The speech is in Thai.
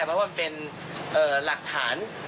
เพราะว่ามันเป็นหลักฐาน